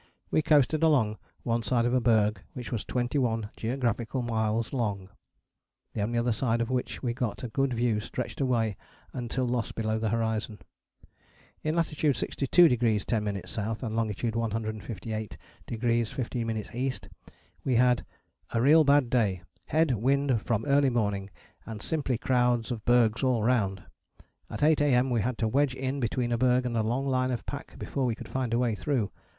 we coasted along one side of a berg which was twenty one geographical miles long: the only other side of which we got a good view stretched away until lost below the horizon. In latitude 62° 10´ S. and longitude 158° 15´ E. we had "a real bad day: head wind from early morning, and simply crowds of bergs all round. At 8 A.M. we had to wedge in between a berg and a long line of pack before we could find a way through.